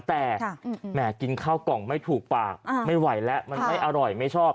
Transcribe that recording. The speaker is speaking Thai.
แต่แหมกินข้าวกล่องไม่ถูกปากไม่ไหวแล้วมันไม่อร่อยไม่ชอบ